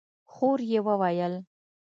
خور يې وويل: